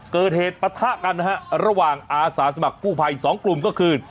เกิดเหตุปะทะกันนะฮะระหว่างอาสาสมัครกู้ภัย๒กลุ่มก็คือ